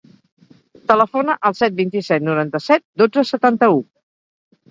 Telefona al set, vint-i-set, noranta-set, dotze, setanta-u.